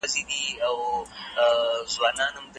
فکري سرچينې بايد په ډېر دقت وڅېړل سي.